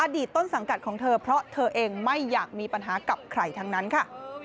ต้นสังกัดของเธอเพราะเธอเองไม่อยากมีปัญหากับใครทั้งนั้นค่ะ